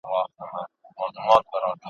د ړندو لښکر نیولي تر لمن یو ,